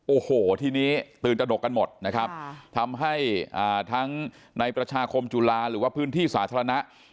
โอ้โหทีนี้ตื่นตระดกกันหมดนะครับทำให้ทั้งในประชาคมจุฬาหรือว่าพื้นที่สาธารณะ